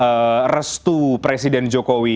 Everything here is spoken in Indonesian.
menunggu restu presiden jokowi